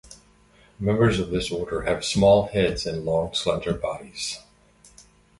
Members of this order have small heads and long slender bodies.